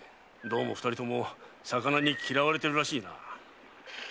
二人とも魚にきらわれているらしいな。